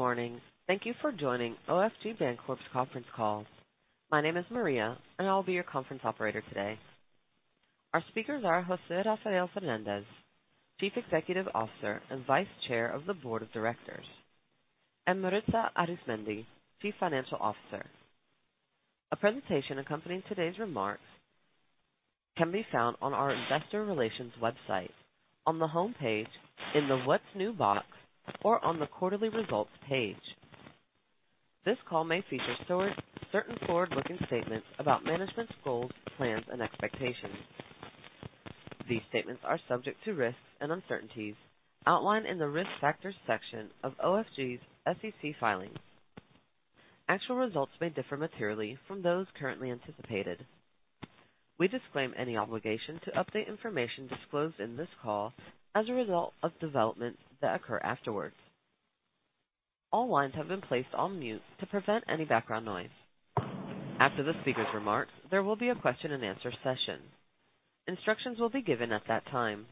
Good morning. Thank you for joining OFG Bancorp's Conference Call. My name is Maria, and I'll be your conference operator today. Our speakers are José Rafael Fernández, Chief Executive Officer and Vice Chair of the Board of Directors, and Maritza Arizmendi, Chief Financial Officer. A presentation accompanying today's remarks can be found on our Investor Relations website on the homepage in the what's new box or on the quarterly results page. This call may feature certain forward-looking statements about management's goals, plans, and expectations. These statements are subject to risks and uncertainties outlined in the Risk Factors section of OFG's SEC filings. Actual results may differ materially from those currently anticipated. We disclaim any obligation to update information disclosed in this call as a result of developments that occur afterwards. All lines have been placed on mute to prevent any background noise. After the speaker's remarks, there will be a question and answer session. Instructions will be given at that time.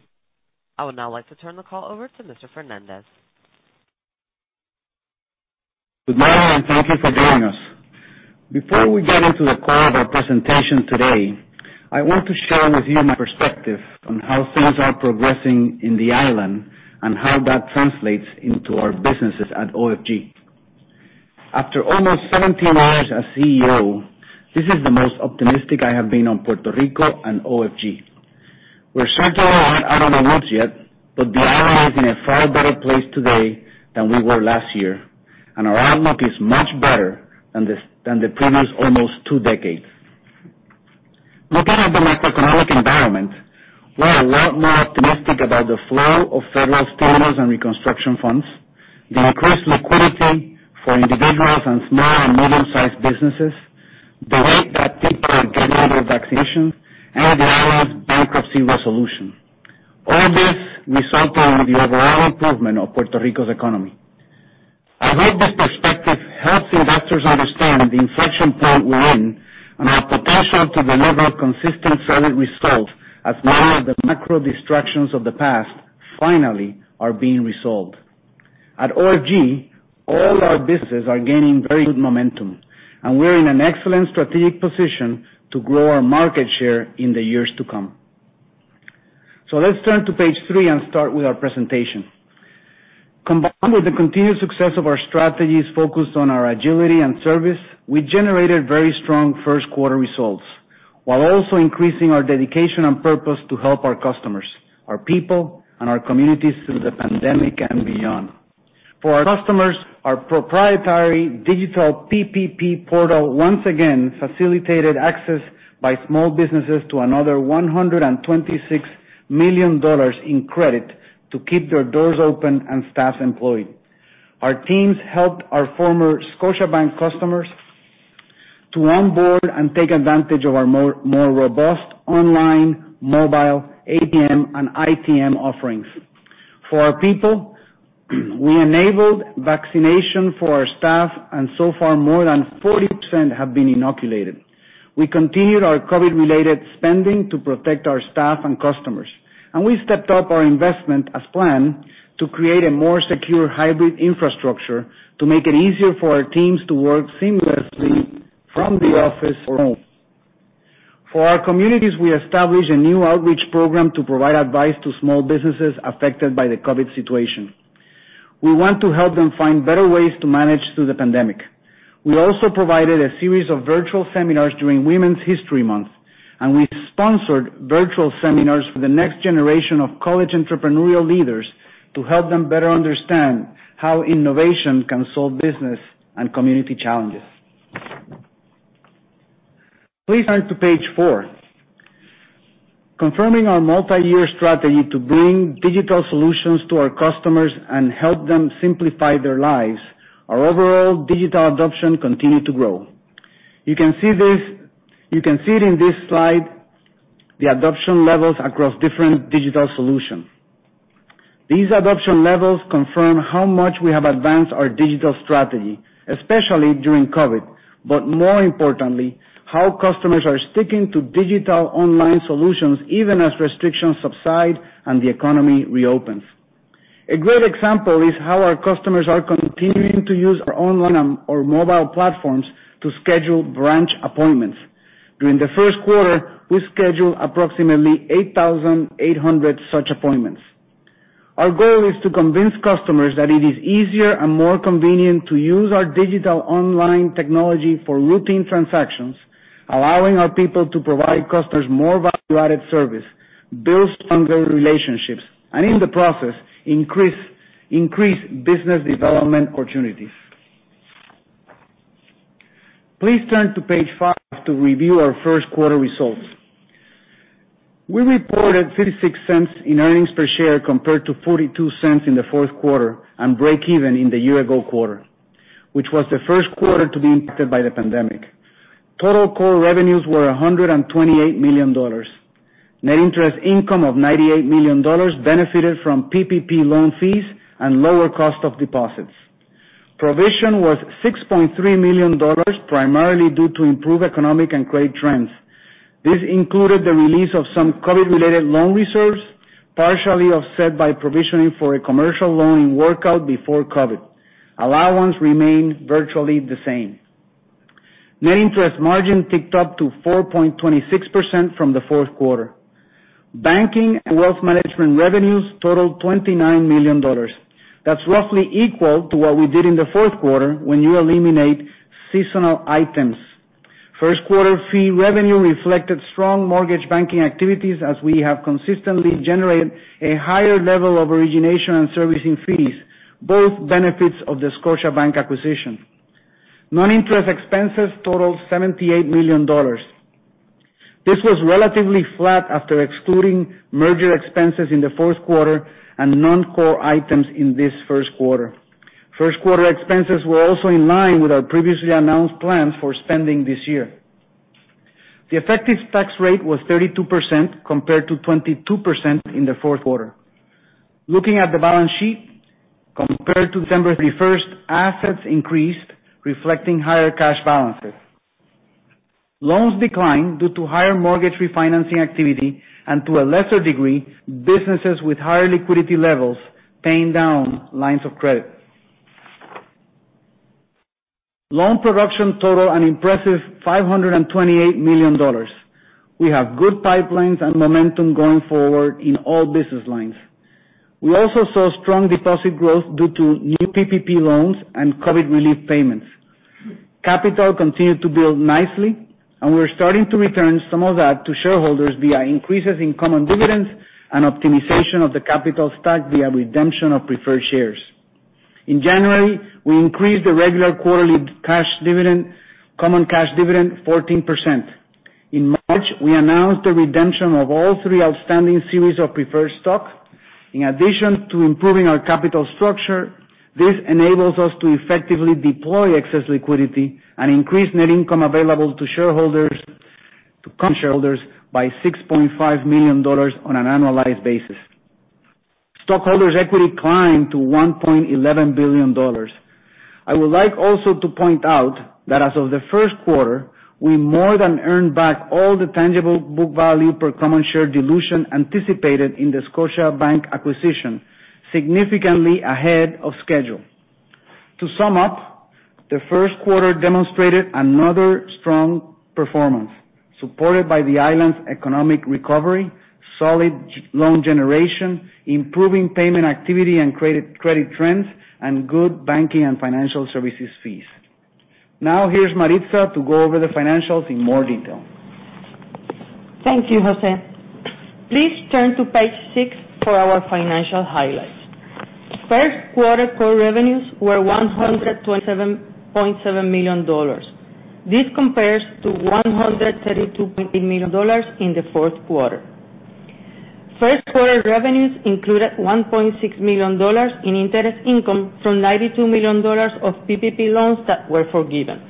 I would now like to turn the call over to Mr. Fernández. Good morning, and thank you for joining us. Before we get into the core of our presentation today, I want to share with you my perspective on how things are progressing in the island and how that translates into our businesses at OFG. After almost 17 years as CEO, this is the most optimistic I have been on Puerto Rico and OFG. We're certainly not out of the woods yet, but the island is in a far better place today than we were last year, and our outlook is much better than the previous almost two decades. Looking at the macroeconomic environment, we're a lot more optimistic about the flow of federal stimulus and reconstruction funds, the increased liquidity for individuals and small and medium-sized businesses, the rate that people are getting their vaccinations, and the island's bankruptcy resolution. All this resulting in the overall improvement of Puerto Rico's economy. I hope this perspective helps investors understand the inflection point we're in and our potential to deliver consistent, solid results as many of the macro distractions of the past finally are being resolved. At OFG, all our businesses are gaining very good momentum, and we're in an excellent strategic position to grow our market share in the years to come. Let's turn to page three and start with our presentation. Combined with the continued success of our strategies focused on our agility and service, we generated very strong first quarter results, while also increasing our dedication and purpose to help our customers, our people, and our communities through the pandemic and beyond. For our customers, our proprietary digital PPP portal once again facilitated access by small businesses to another $126 million in credit to keep their doors open and staff employed. Our teams helped our former Scotiabank customers to onboard and take advantage of our more robust online, mobile, ATM, and ITM offerings. For our people, we enabled vaccination for our staff, and so far, more than 40% have been inoculated. We continued our COVID-related spending to protect our staff and customers, and we stepped up our investment as planned to create a more secure hybrid infrastructure to make it easier for our teams to work seamlessly from the office or home. For our communities, we established a new outreach program to provide advice to small businesses affected by the COVID situation. We want to help them find better ways to manage through the pandemic. We also provided a series of virtual seminars during Women's History Month, and we sponsored virtual seminars for the next generation of college entrepreneurial leaders to help them better understand how innovation can solve business and community challenges. Please turn to page four. Confirming our multi-year strategy to bring digital solutions to our customers and help them simplify their lives, our overall digital adoption continued to grow. You can see it in this slide, the adoption levels across different digital solutions. These adoption levels confirm how much we have advanced our digital strategy, especially during COVID, but more importantly, how customers are sticking to digital online solutions even as restrictions subside and the economy reopens. A great example is how our customers are continuing to use our online or mobile platforms to schedule branch appointments. During the first quarter, we scheduled approximately 8,800 such appointments. Our goal is to convince customers that it is easier and more convenient to use our digital online technology for routine transactions, allowing our people to provide customers more value-added service, build stronger relationships, and in the process, increase business development opportunities. Please turn to page five to review our first quarter results. We reported $0.36 in earnings per share compared to $0.42 in the fourth quarter and breakeven in the year-ago quarter, which was the first quarter to be impacted by the pandemic. Total core revenues were $128 million. Net interest income of $98 million benefited from PPP loan fees and lower cost of deposits. Provision was $6.3 million, primarily due to improved economic and credit trends. This included the release of some COVID-related loan reserves, partially offset by provisioning for a commercial loan in workout before COVID. Allowance remained virtually the same. Net interest margin ticked up to 4.26% from the fourth quarter. Banking and wealth management revenues totaled $29 million. That's roughly equal to what we did in the fourth quarter when you eliminate seasonal items. First quarter fee revenue reflected strong mortgage banking activities as we have consistently generated a higher level of origination and servicing fees, both benefits of the Scotiabank acquisition. Non-interest expenses totaled $78 million. This was relatively flat after excluding merger expenses in the fourth quarter and non-core items in this first quarter. First-quarter expenses were also in line with our previously announced plans for spending this year. The effective tax rate was 32% compared to 22% in the fourth quarter. Looking at the balance sheet, compared to December 31st, assets increased, reflecting higher cash balances. Loans declined due to higher mortgage refinancing activity and to a lesser degree, businesses with higher liquidity levels paying down lines of credit. Loan production totaled an impressive $528 million. We have good pipelines and momentum going forward in all business lines. We also saw strong deposit growth due to new PPP loans and COVID relief payments. Capital continued to build nicely, and we're starting to return some of that to shareholders via increases in common dividends and optimization of the capital stack via redemption of preferred shares. In January, we increased the regular quarterly common cash dividend 14%. In March, we announced the redemption of all three outstanding series of preferred stock. In addition to improving our capital structure, this enables us to effectively deploy excess liquidity and increase net income available to common shareholders by $6.5 million on an annualized basis. Stockholders' equity climbed to $1.11 billion. I would like also to point out that as of the first quarter, we more than earned back all the tangible book value per common share dilution anticipated in the Scotiabank acquisition, significantly ahead of schedule. To sum up, the first quarter demonstrated another strong performance, supported by the island's economic recovery, solid loan generation, improving payment activity and credit trends, and good banking and financial services fees. Now, here's Maritza to go over the financials in more detail. Thank you, José. Please turn to page six for our financial highlights. First quarter core revenues were $127.7 million. This compares to $132.8 million in the fourth quarter. First-quarter revenues included $1.6 million in interest income from $92 million of PPP loans that were forgiven.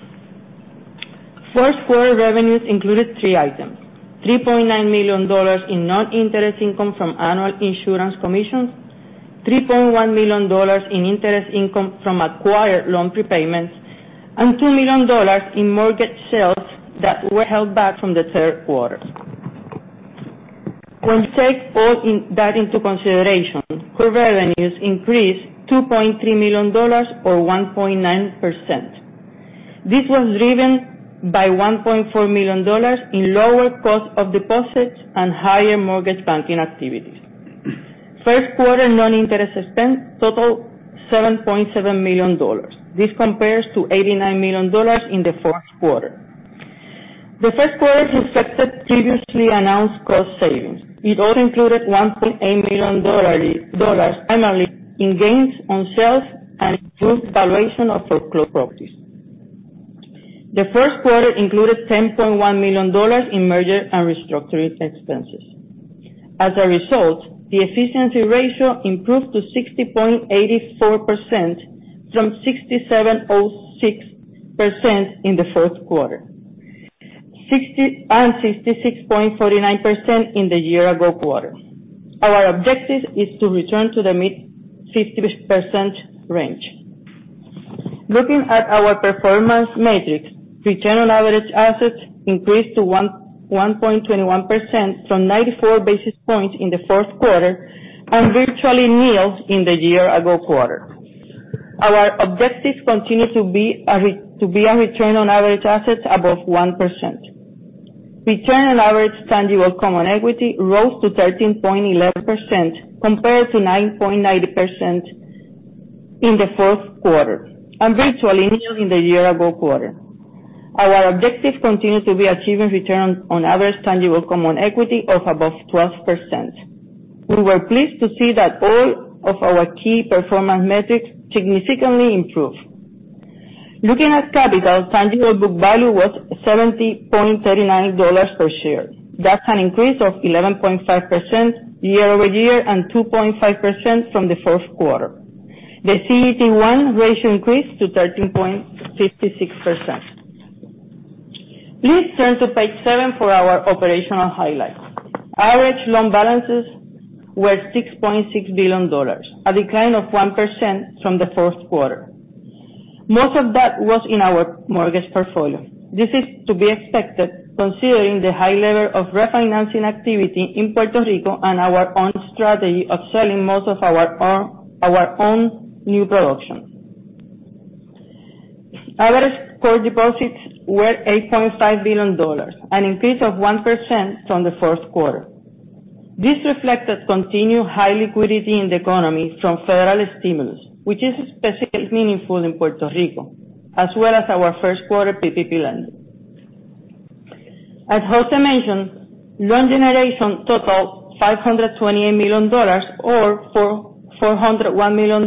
Fourth-quarter revenues included three items: $3.9 million in non-interest income from annual insurance commissions, $3.1 million in interest income from acquired loan prepayments, and $2 million in mortgage sales that were held back from the third quarter. Core revenues increased $2.3 million or 1.9%. This was driven by $1.4 million in lower cost of deposits and higher mortgage banking activities. First quarter non-interest expense totaled $7.7 million. This compares to $89 million in the fourth quarter. The first quarter reflected previously announced cost savings. It also included $1.8 million annually in gains on sales and improved valuation of foreclosed properties. The first quarter included $10.1 million in merger and restructuring expenses. As a result, the efficiency ratio improved to 60.84% from 67.06% in the fourth quarter, and 66.49% in the year-ago quarter. Our objective is to return to the mid-50% range. Looking at our performance metrics, return on average assets increased to 1.21% from 94 basis points in the fourth quarter and virtually nil in the year-ago quarter. Our objective continues to be a return on average assets above 1%. Return on average tangible common equity rose to 13.11% compared to 9.90% in the fourth quarter and virtually nil in the year-ago quarter. Our objective continues to be achieving return on average tangible common equity of above 12%. We were pleased to see that all of our key performance metrics significantly improved. Looking at capital, tangible book value was $70.39 per share. That's an increase of 11.5% year-over-year and 2.5% from the fourth quarter. The CET1 ratio increased to 13.56%. Please turn to page seven for our operational highlights. Average loan balances were $6.6 billion, a decline of 1% from the fourth quarter. Most of that was in our mortgage portfolio. This is to be expected considering the high level of refinancing activity in Puerto Rico and our own strategy of selling most of our own new production. Average core deposits were $8.5 billion, an increase of 1% from the fourth quarter. This reflected continued high liquidity in the economy from federal stimulus, which is especially meaningful in Puerto Rico, as well as our first quarter PPP lending. As José mentioned, loan generation totaled $528 million, or $401 million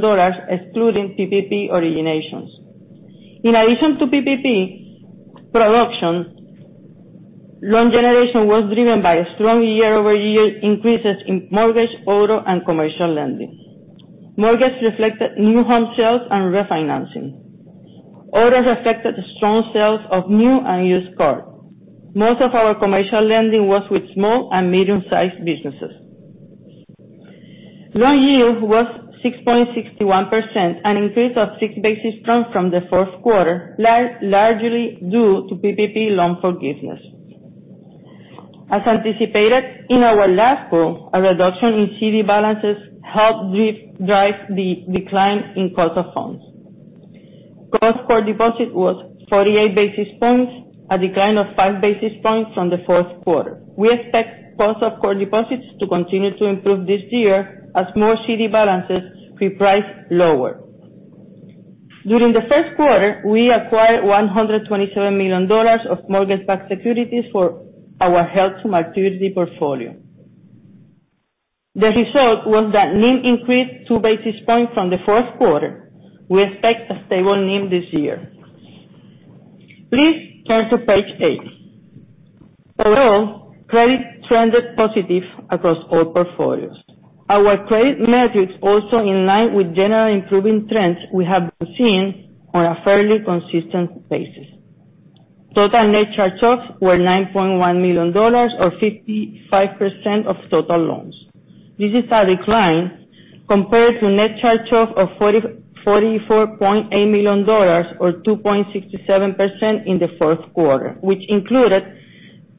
excluding PPP originations. In addition to PPP production, loan generation was driven by strong year-over-year increases in mortgage, auto, and commercial lending. Mortgages reflected new home sales and refinancing. Autos reflected strong sales of new and used cars. Most of our commercial lending was with small and medium-sized businesses. Loan yield was 6.61%, an increase of six basis points from the fourth quarter, largely due to PPP loan forgiveness. As anticipated in our last call, a reduction in CD balances helped drive the decline in cost of funds. Cost core deposit was 48 basis points, a decline of five basis points from the fourth quarter. We expect cost of core deposits to continue to improve this year as more CD balances reprice lower. During the first quarter, we acquired $127 million of mortgage-backed securities for our held-to-maturity portfolio. The result was that NIM increased two basis points from the fourth quarter. We expect a stable NIM this year. Please turn to page eight. Overall, credit trended positive across all portfolios. Our credit metrics also in line with general improving trends we have been seeing on a fairly consistent basis. Total net charge-offs were $9.1 million, or 55% of total loans. This is a decline compared to net charge-off of $44.8 million, or 2.67% in the fourth quarter,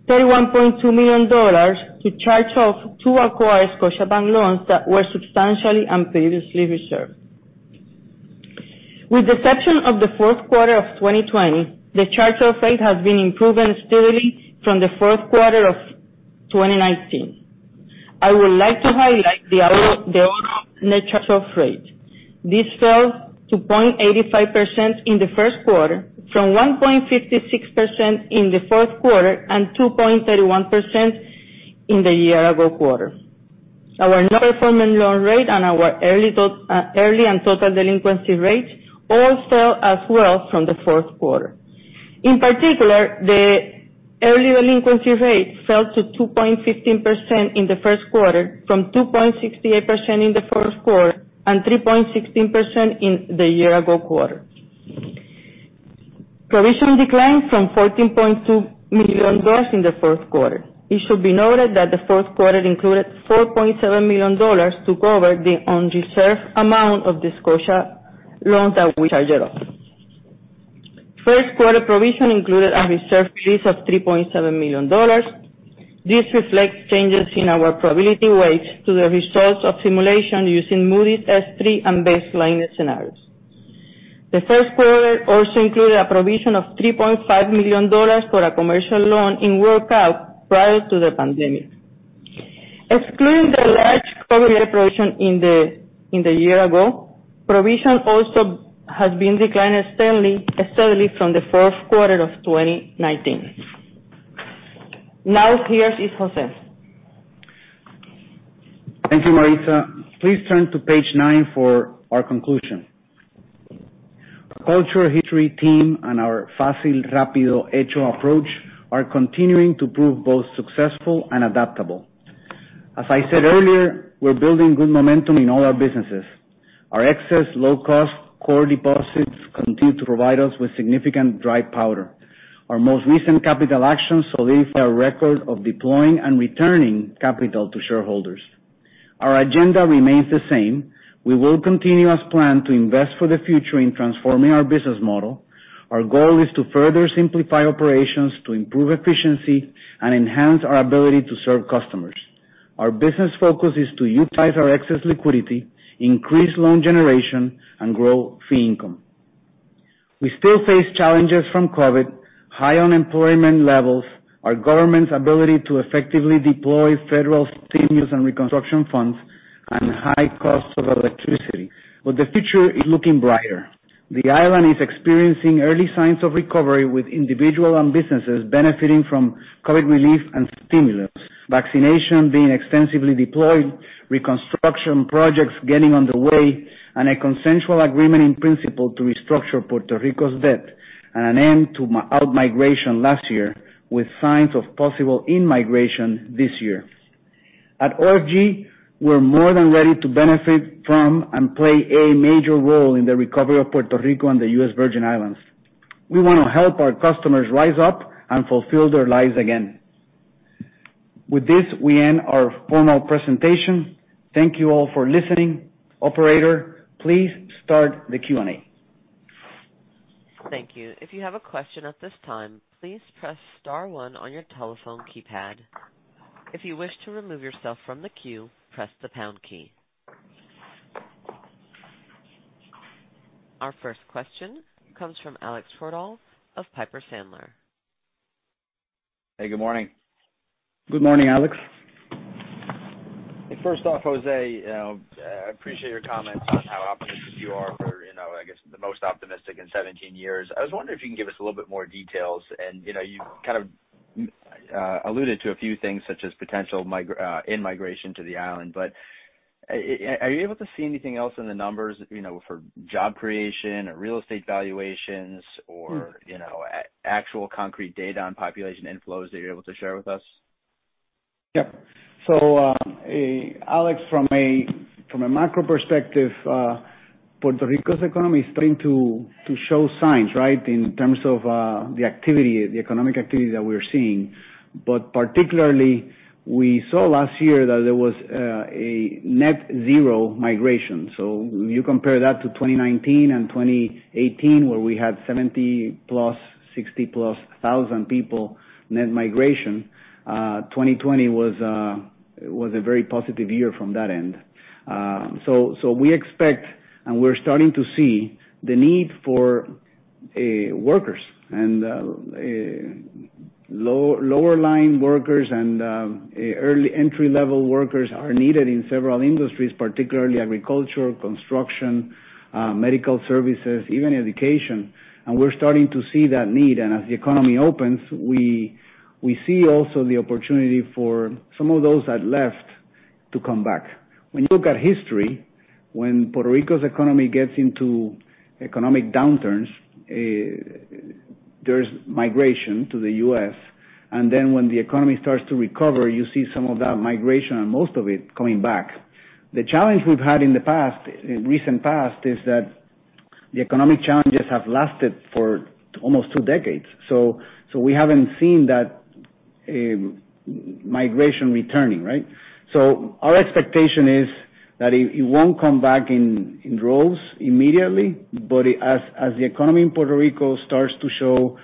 which included $31.2 million to charge off two acquired Scotiabank loans that were substantially and previously reserved. With the exception of the fourth quarter of 2020, the charge-off rate has been improving steadily from the fourth quarter of 2019. I would like to highlight the auto net charge-off rate. This fell to 0.85% in the first quarter from 1.56% in the fourth quarter and 2.31% in the year-ago quarter. Our non-performing loan rate and our early and total delinquency rates all fell as well from the fourth quarter. In particular, the early delinquency rate fell to 2.15% in the first quarter from 2.68% in the fourth quarter and 3.16% in the year-ago quarter. Provision declined from $14.2 million in the fourth quarter. It should be noted that the fourth quarter included $4.7 million to cover the unreserved amount of the Scotiabank loans that we charged off. First quarter provision included a reserve increase of $3.7 million. This reflects changes in our probability weights to the results of simulation using Moody's S3 and baseline scenarios. The first quarter also included a provision of $3.5 million for a commercial loan in workout prior to the pandemic. Excluding the large COVID reparation in the year ago, provision also has been declining steadily from the fourth quarter of 2019. Here is José. Thank you, Maritza Arizmendi. Please turn to page nine for our conclusion. Our culture, history, team, and our fácil, rápido, hecho approach are continuing to prove both successful and adaptable. As I said earlier, we're building good momentum in all our businesses. Our excess low-cost core deposits continue to provide us with significant dry powder. Our most recent capital actions solidify our record of deploying and returning capital to shareholders. Our agenda remains the same. We will continue as planned to invest for the future in transforming our business model. Our goal is to further simplify operations to improve efficiency and enhance our ability to serve customers. Our business focus is to utilize our excess liquidity, increase loan generation, and grow fee income. We still face challenges from COVID, high unemployment levels, our government's ability to effectively deploy federal stimulus and reconstruction funds, and high cost of electricity, but the future is looking brighter. The island is experiencing early signs of recovery with individual and businesses benefiting from COVID relief and stimulus, vaccination being extensively deployed, reconstruction projects getting underway, and a consensual agreement in principle to restructure Puerto Rico's debt, and an end to out-migration last year with signs of possible in-migration this year. At OFG, we're more than ready to benefit from and play a major role in the recovery of Puerto Rico and the U.S. Virgin Islands. We want to help our customers rise up and fulfill their lives again. With this, we end our formal presentation. Thank you all for listening. Operator, please start the Q&A. Thank you. If you have a question at this time, please press star one on your telephone keypad. If you wish to remove yourself from the queue, press the pound key. Our first question comes from Alex Twerdahl of Piper Sandler. Hey, good morning. Good morning, Alex. First off, José, I appreciate your comments on how optimistic you are for, I guess, the most optimistic in 17 years. I was wondering if you can give us a little bit more details, and you kind of alluded to a few things, such as potential in-migration to the island. Are you able to see anything else in the numbers for job creation or real estate valuations? actual concrete data on population inflows that you're able to share with us? Yep. Alex, from a macro perspective, Puerto Rico's economy is starting to show signs, right, in terms of the economic activity that we're seeing. Particularly, we saw last year that there was a net zero migration. You compare that to 2019 and 2018, where we had 70,000+, 60,000+ people net migration. 2020 was a very positive year from that end. We expect, and we're starting to see the need for workers. Lower line workers and early entry-level workers are needed in several industries, particularly agriculture, construction, medical services, even education. We're starting to see that need. As the economy opens, we see also the opportunity for some of those that left to come back. When you look at history, when Puerto Rico's economy gets into economic downturns, there's migration to the U.S. When the economy starts to recover, you see some of that migration, and most of it, coming back. The challenge we've had in the recent past is that the economic challenges have lasted for almost two decades. We haven't seen that migration returning, right? Our expectation is that it won't come back in droves immediately, but as the economy in Puerto Rico starts to show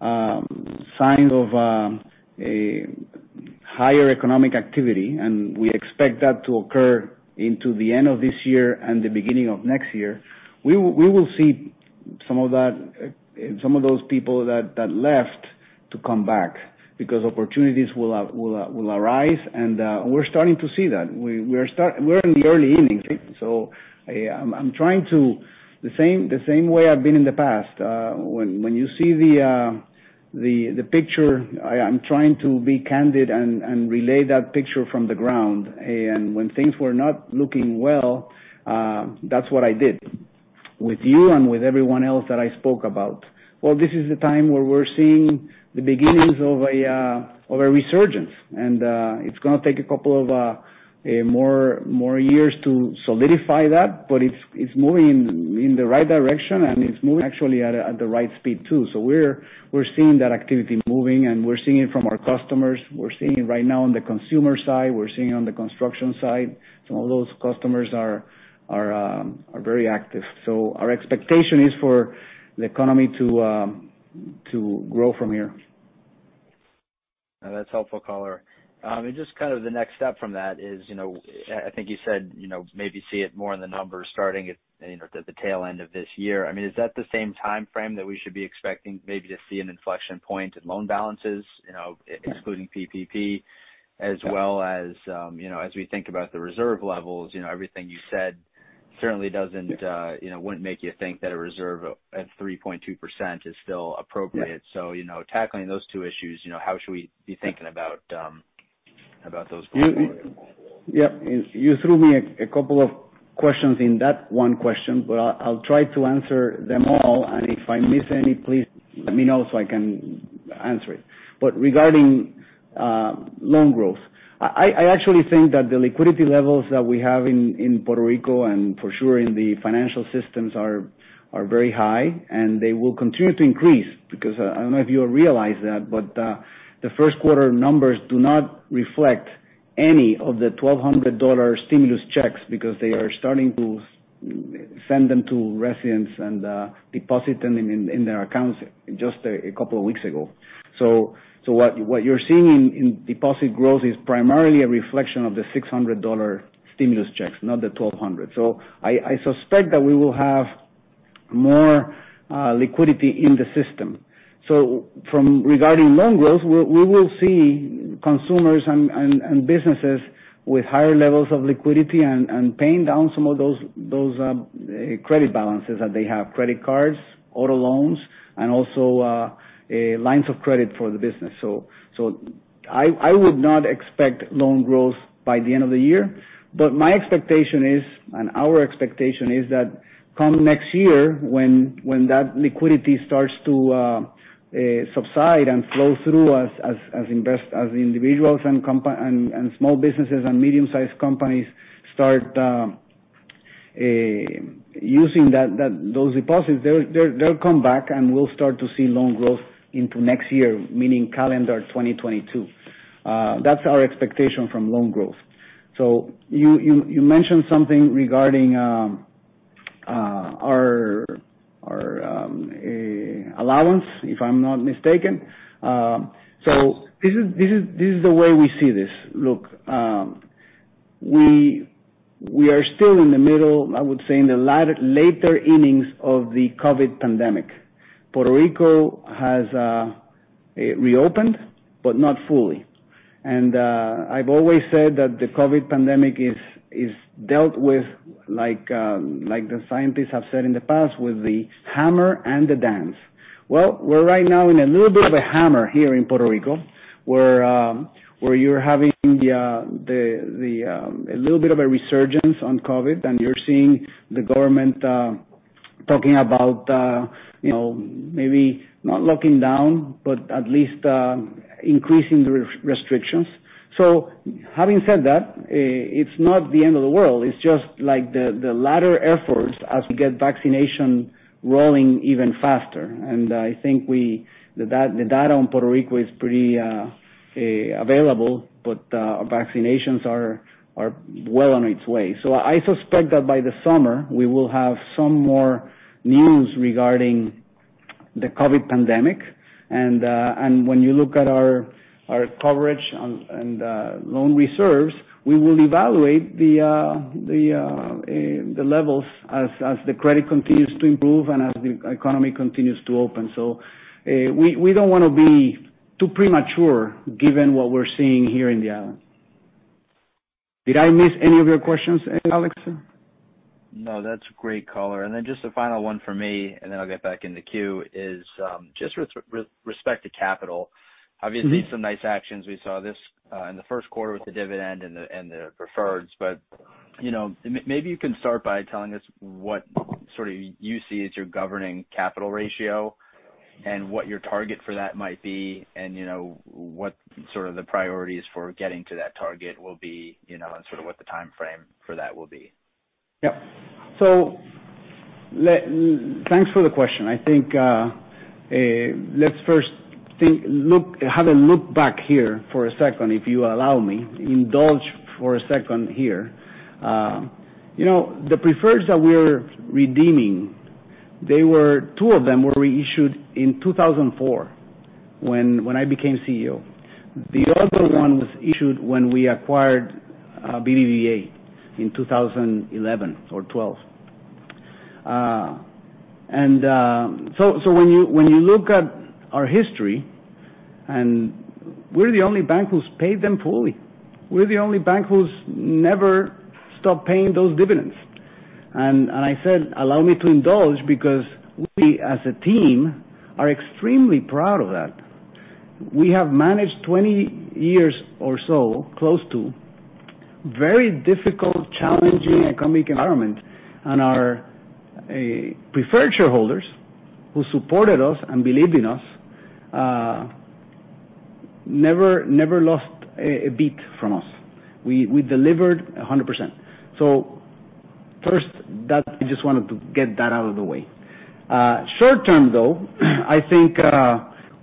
signs of a higher economic activity, and we expect that to occur into the end of this year and the beginning of next year, we will see some of those people that left to come back because opportunities will arise. We're starting to see that. We're in the early innings. The same way I've been in the past, when you see the picture, I'm trying to be candid and relay that picture from the ground. When things were not looking well, that's what I did with you and with everyone else that I spoke about. Well, this is the time where we're seeing the beginnings of a resurgence. It's going to take a couple of more years to solidify that. It's moving in the right direction, and it's moving actually at the right speed, too. We're seeing that activity moving, and we're seeing it from our customers. We're seeing it right now on the consumer side. We're seeing it on the construction side. Some of those customers are very active. Our expectation is for the economy to grow from here. That's helpful, Color. Just kind of the next step from that is, I think you said maybe see it more in the numbers starting at the tail end of this year. Is that the same timeframe that we should be expecting maybe to see an inflection point in loan balances, excluding PPP? As well as we think about the reserve levels, everything you said certainly wouldn't make you think that a reserve at 3.2% is still appropriate. Yeah. tackling those two issues, how should we be thinking about those going forward? Yep. You threw me a couple of questions in that one question, I'll try to answer them all, and if I miss any, please let me know so I can answer it. Regarding loan growth, I actually think that the liquidity levels that we have in Puerto Rico, and for sure in the financial systems, are very high, and they will continue to increase. I don't know if you realize that, the first quarter numbers do not reflect any of the $1,200 stimulus checks because they are starting to send them to residents and deposit them in their accounts just a couple of weeks ago. What you're seeing in deposit growth is primarily a reflection of the $600 stimulus checks, not the $1,200. I suspect that we will have more liquidity in the system. From regarding loan growth, we will see consumers and businesses with higher levels of liquidity and paying down some of those credit balances that they have. Credit cards, auto loans, and also lines of credit for the business. I would not expect loan growth by the end of the year. My expectation is, and our expectation is that come next year, when that liquidity starts to subside and flow through us as individuals and small businesses and medium-sized companies start using those deposits, they'll come back, and we'll start to see loan growth into next year, meaning calendar 2022. That's our expectation from loan growth. You mentioned something regarding our allowance, if I'm not mistaken. This is the way we see this. Look, we are still in the middle, I would say, in the latter, later innings of the COVID pandemic. Puerto Rico has reopened, but not fully. I've always said that the COVID pandemic is dealt with like the scientists have said in the past, with the hammer and the dance. Well, we're right now in a little bit of a hammer here in Puerto Rico, where you're having a little bit of a resurgence on COVID, and you're seeing the government talking about maybe not locking down, but at least increasing the restrictions. Having said that, it's not the end of the world. It's just like the latter efforts as we get vaccination rolling even faster. I think the data on Puerto Rico is pretty available, but our vaccinations are well on its way. I suspect that by the summer, we will have some more news regarding the COVID pandemic. When you look at our coverage and loan reserves, we will evaluate the levels as the credit continues to improve and as the economy continues to open. We don't want to be too premature given what we're seeing here in the island. Did I miss any of your questions, Alex? No, that's a great color. Just the final one for me, and then I'll get back in the queue, is just with respect to capital. Obviously, some nice actions we saw this in the first quarter with the dividend and the preferred. Maybe you can start by telling us what sort of you see as your governing capital ratio and what your target for that might be, and what sort of the priorities for getting to that target will be, and sort of what the timeframe for that will be. Yep. Thanks for the question. I think let's first have a look back here for a second, if you allow me. Indulge for a second here. The preferred that we're redeeming, two of them were reissued in 2004 when I became CEO. The other one was issued when we acquired BBVA in 2011 or 2012. When you look at our history, and we're the only bank who's paid them fully. We're the only bank who's never stopped paying those dividends. I said allow me to indulge because we, as a team, are extremely proud of that. We have managed 20 years or so, close to, very difficult, challenging economic environment. Our preferred shareholders who supported us and believed in us never lost a beat from us. We delivered 100%. First, I just wanted to get that out of the way. Short-term, though, I think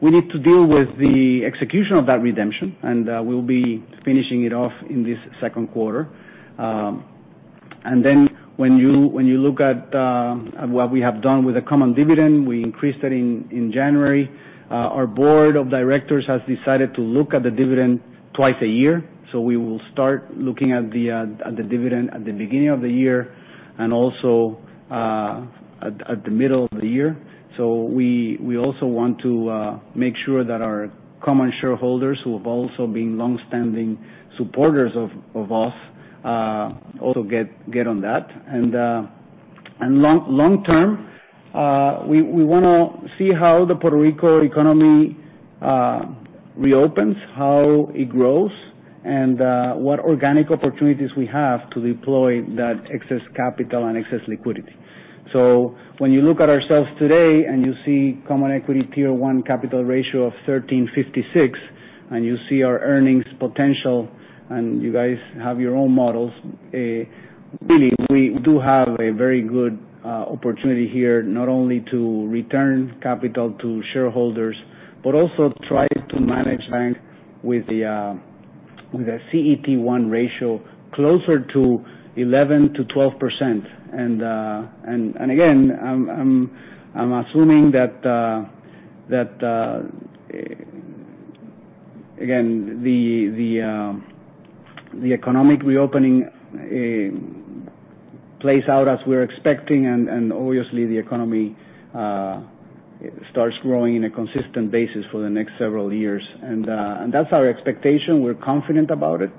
we need to deal with the execution of that redemption, and we'll be finishing it off in this second quarter. When you look at what we have done with the common dividend, we increased it in January. Our board of directors has decided to look at the dividend twice a year. We will start looking at the dividend at the beginning of the year and also at the middle of the year. We also want to make sure that our common shareholders who have also been longstanding supporters of us also get on that. Long-term, we want to see how the Puerto Rico economy reopens, how it grows, and what organic opportunities we have to deploy that excess capital and excess liquidity. When you look at ourselves today and you see common equity tier 1 capital ratio of 13.56%, and you see our earnings potential, and you guys have your own models, really, we do have a very good opportunity here, not only to return capital to shareholders, but also try to manage bank with a CET1 ratio closer to 11%-12%. Again, I'm assuming that the economic reopening plays out as we're expecting, and obviously the economy starts growing in a consistent basis for the next several years. That's our expectation. We're confident about it.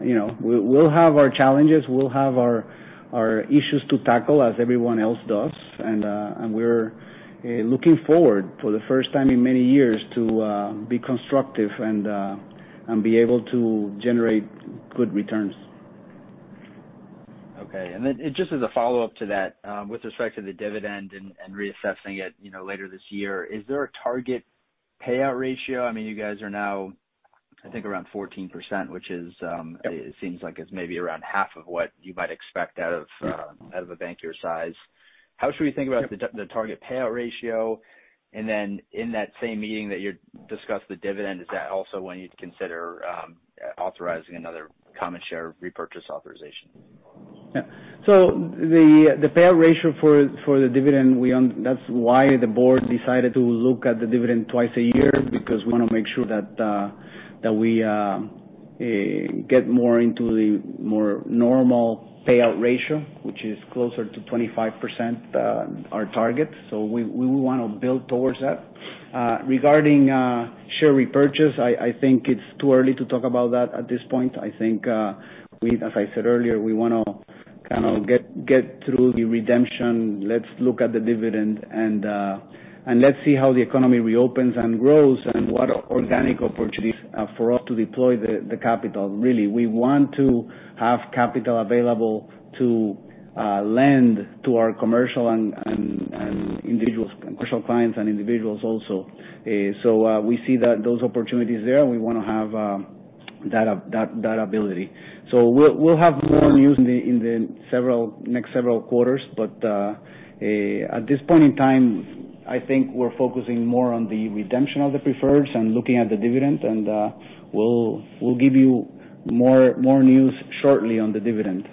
We'll have our challenges, we'll have our issues to tackle as everyone else does. We're looking forward for the first time in many years to be constructive and be able to generate good returns. Just as a follow-up to that with respect to the dividend and reassessing it later this year. Is there a target payout ratio? I mean, you guys are now-I think around 14%, which it seems like is maybe around half of what you might expect out of a bank your size. How should we think about the target payout ratio? In that same meeting that you discussed the dividend, is that also when you'd consider authorizing another common share repurchase authorization? The payout ratio for the dividend, that's why the board decided to look at the dividend twice a year, because we want to make sure that we get more into the more normal payout ratio, which is closer to 25%, our target. Regarding share repurchase, I think it's too early to talk about that at this point. I think, as I said earlier, we want to kind of get through the redemption. Let's look at the dividend and let's see how the economy reopens and grows and what organic opportunities for us to deploy the capital. We want to have capital available to lend to our commercial clients and individuals also. We see those opportunities there, and we want to have that ability. We'll have more news in the next several quarters. At this point in time, I think we're focusing more on the redemption of the preferred and looking at the dividend, and we'll give you more news shortly on the dividend.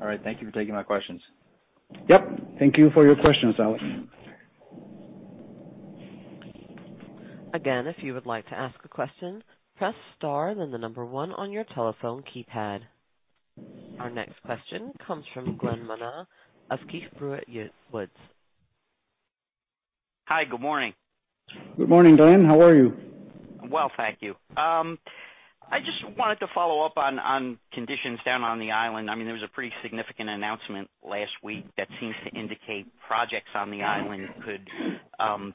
All right. Thank you for taking my questions. Yep. Thank you for your questions, Alex. Again, if you would like to ask a question, press star, then the number one on your telephone keypad. Our next question comes from Glen Manna of Keefe, Bruyette & Woods. Hi. Good morning. Good morning, Glen. How are you? I'm well, thank you. I just wanted to follow up on conditions down on the island. There was a pretty significant announcement last week that seems to indicate projects on the island could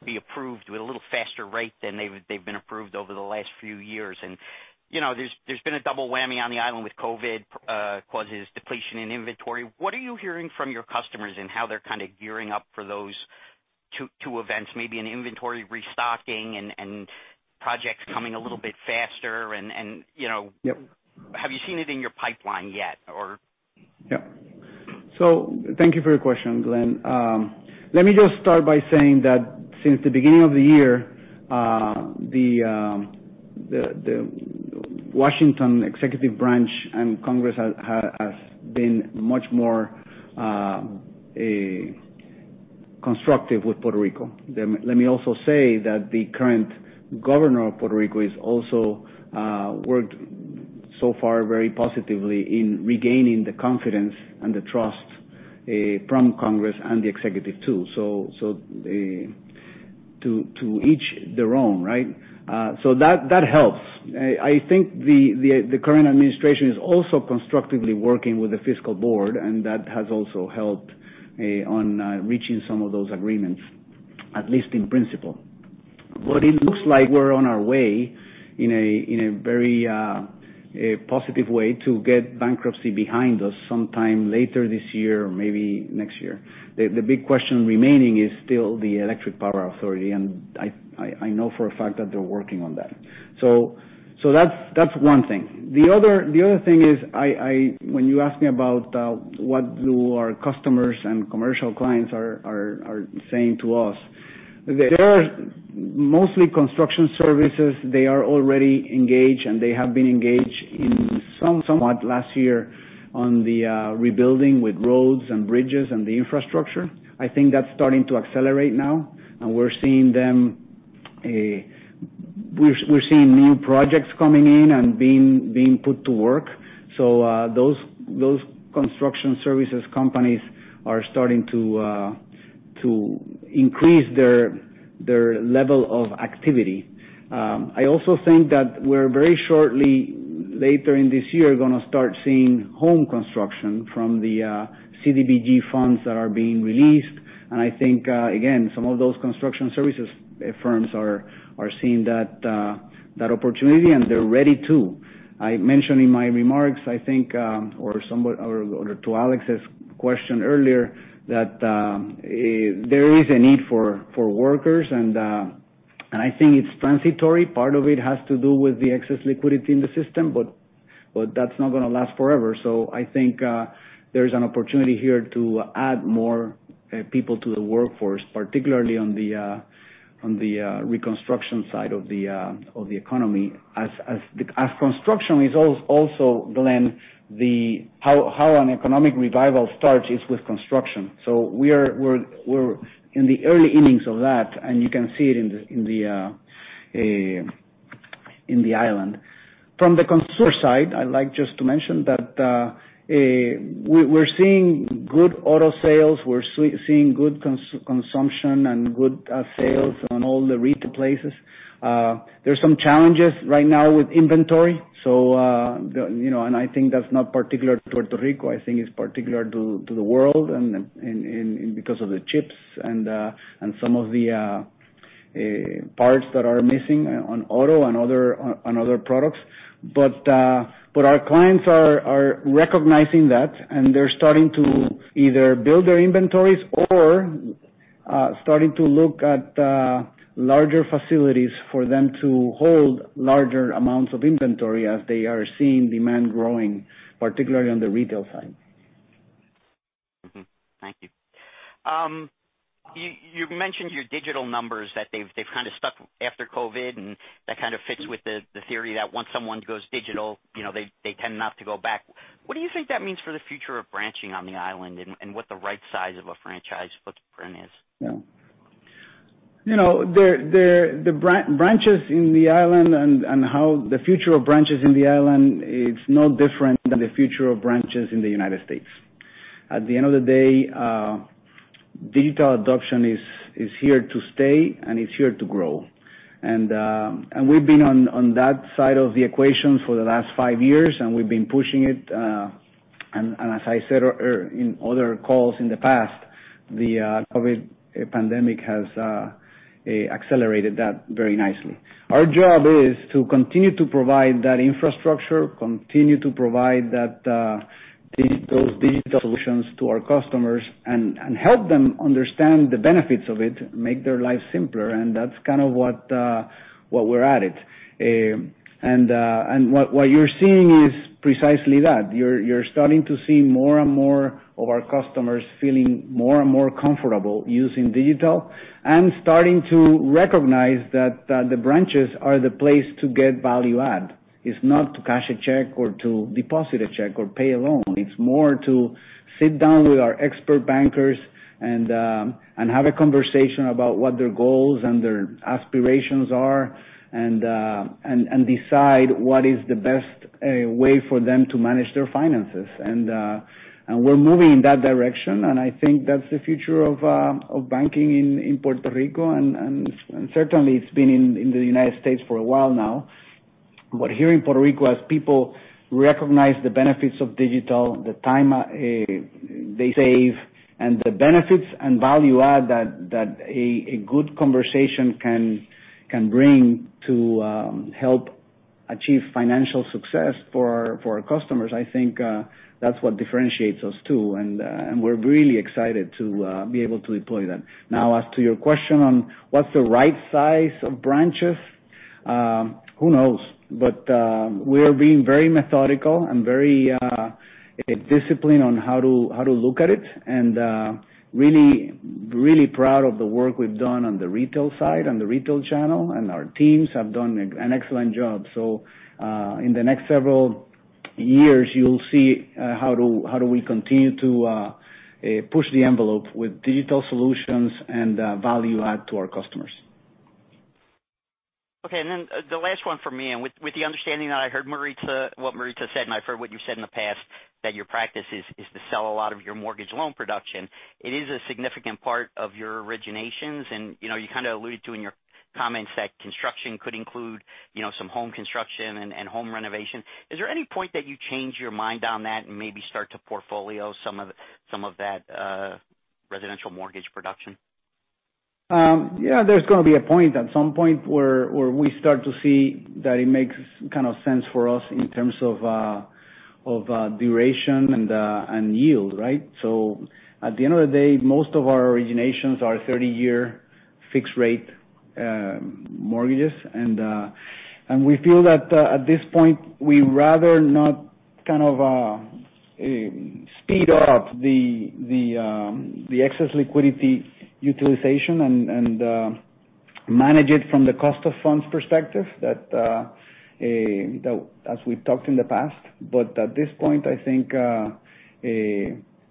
be approved with a little faster rate than they've been approved over the last few years. There's been a double whammy on the island with COVID causes depletion in inventory. What are you hearing from your customers and how they're kind of gearing up for those two events, maybe an inventory restocking and projects coming a little bit faster and— Yep. —have you seen it in your pipeline yet or? Yeah. Thank you for your question, Glen. Let me just start by saying that since the beginning of the year, the Washington executive branch and Congress has been much more constructive with Puerto Rico. Let me also say that the current governor of Puerto Rico has also worked so far very positively in regaining the confidence and the trust from Congress and the executive too. To each their own, right? That helps. I think the current administration is also constructively working with the fiscal board, and that has also helped on reaching some of those agreements, at least in principle. It looks like we're on our way in a very positive way to get bankruptcy behind us sometime later this year or maybe next year. The big question remaining is still the Electric Power Authority, and I know for a fact that they're working on that. That's one thing. The other thing is when you ask me about what do our customers and commercial clients are saying to us. They are mostly construction services. They are already engaged, and they have been engaged in somewhat last year on the rebuilding with roads and bridges and the infrastructure. I think that's starting to accelerate now, and we're seeing new projects coming in and being put to work. Those construction services companies are starting to increase their level of activity. I also think that we're very shortly, later in this year, going to start seeing home construction from the CDBG funds that are being released. I think, again, some of those construction services firms are seeing that opportunity, and they're ready too. I mentioned in my remarks, I think, or to Alex's question earlier, that there is a need for workers, and I think it's transitory. Part of it has to do with the excess liquidity in the system, but that's not going to last forever. I think there's an opportunity here to add more people to the workforce, particularly on the reconstruction side of the economy. As construction is also, Glen, how an economic revival starts is with construction. We're in the early innings of that, and you can see it in the island. From the consumer side, I'd like just to mention that we're seeing good auto sales. We're seeing good consumption and good sales on all the retail places. There's some challenges right now with inventory. I think that's not particular to Puerto Rico. I think it's particular to the world and because of the chips and some of the parts that are missing on auto and other products. Our clients are recognizing that, and they're starting to either build their inventories or starting to look at larger facilities for them to hold larger amounts of inventory as they are seeing demand growing, particularly on the retail side. Thank you. You mentioned your digital numbers, that they've kind of stuck after COVID, and that kind of fits with the theory that once someone goes digital, they tend not to go back. What do you think that means for the future of branching on the island, and what the right size of a franchise footprint is? Yeah. The branches in the island and how the future of branches in the island, it's no different than the future of branches in the United States. At the end of the day, digital adoption is here to stay and it's here to grow. We've been on that side of the equation for the last five years, and we've been pushing it. As I said in other calls in the past, the COVID pandemic has accelerated that very nicely. Our job is to continue to provide that infrastructure, continue to provide those digital solutions to our customers, and help them understand the benefits of it, make their lives simpler, and that's kind of what we're at. What you're seeing is precisely that. You're starting to see more and more of our customers feeling more and more comfortable using digital and starting to recognize that the branches are the place to get value add. It's not to cash a check or to deposit a check or pay a loan. It's more to sit down with our expert bankers and have a conversation about what their goals and their aspirations are, and decide what is the best way for them to manage their finances. We're moving in that direction, and I think that's the future of banking in Puerto Rico. Certainly, it's been in the United States for a while now. Here in Puerto Rico, as people recognize the benefits of digital, the time they save, and the benefits and value add that a good conversation can bring to help achieve financial success for our customers, I think that's what differentiates us, too. We're really excited to be able to deploy that. Now, as to your question on what's the right size of branches, who knows? We are being very methodical and very disciplined on how to look at it, and really proud of the work we've done on the retail side, on the retail channel, and our teams have done an excellent job. In the next several years, you'll see how do we continue to push the envelope with digital solutions and value add to our customers. Okay. The last one from me, and with the understanding that I heard what Maritza said, and I've heard what you've said in the past, that your practice is to sell a lot of your mortgage loan production. It is a significant part of your originations, and you kind of alluded to in your comments that construction could include some home construction and home renovation. Is there any point that you change your mind on that and maybe start to portfolio some of that residential mortgage production? Yeah. There's going to be a point at some point where we start to see that it makes kind of sense for us in terms of duration and yield, right? At the end of the day, most of our originations are 30-year fixed rate mortgages. We feel that at this point, we rather not kind of speed up the excess liquidity utilization and manage it from the cost of funds perspective, as we've talked in the past. At this point, I think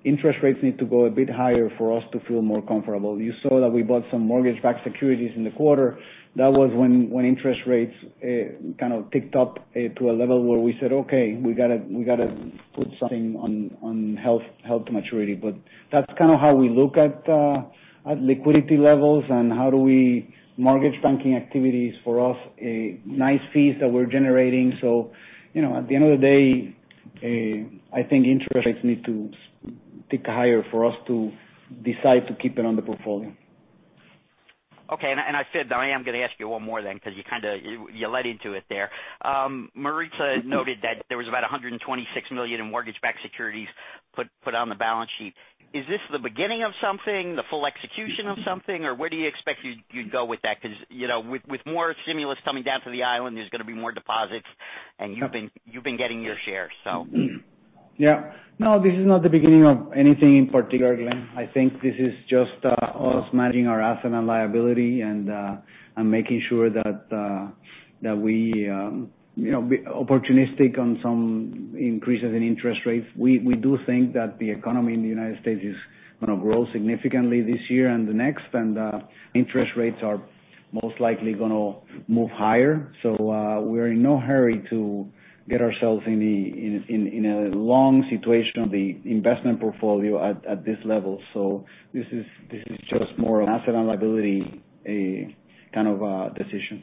interest rates need to go a bit higher for us to feel more comfortable. You saw that we bought some mortgage-backed securities in the quarter. That was when interest rates kind of ticked up to a level where we said, "Okay, we got to put something on held to maturity." That's kind of how we look at liquidity levels and how do we mortgage banking activities for us, nice fees that we're generating. At the end of the day, I think interest rates need to tick higher for us to decide to keep it on the portfolio. Okay. I said that I'm going to ask you one more because you led into it there. Maritza noted that there was about $126 million in mortgage-backed securities put on the balance sheet. Is this the beginning of something, the full execution of something, or where do you expect you'd go with that? With more stimulus coming down to the island, there's going to be more deposits, and you've been getting your share. Yeah. No, this is not the beginning of anything in particular, Glen. I think this is just us managing our asset and liability and making sure that we be opportunistic on some increases in interest rates. We do think that the economy in the U.S. is going to grow significantly this year and the next. Interest rates are most likely going to move higher. We're in no hurry to get ourselves in a long situation of the investment portfolio at this level. This is just more of asset and liability kind of a decision.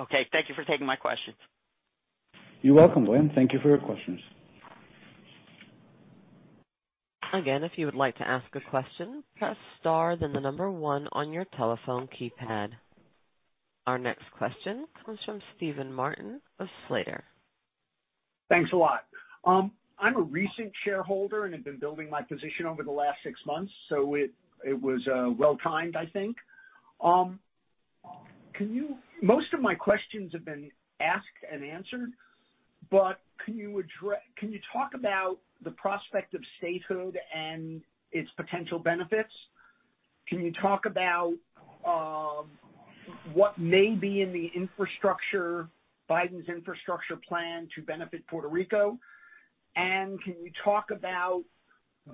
Okay. Thank you for taking my questions. You're welcome, Glen. Thank you for your questions. If you would like to ask a question, press star then the number one on your telephone keypad. Our next question comes from Steven Martin of Slater. Thanks a lot. I'm a recent shareholder and have been building my position over the last six months, so it was well-timed, I think. Most of my questions have been asked and answered, can you talk about the prospect of statehood and its potential benefits? Can you talk about what may be in Biden's infrastructure plan to benefit Puerto Rico? Can you talk about